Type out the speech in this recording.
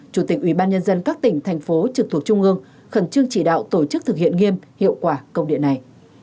chủ tịch ủy ban nhân dân các tỉnh thành phố trực thuộc trung ương khẩn trương chỉ đạo tổ chức thực hiện nghiêm hiệu quả công địa này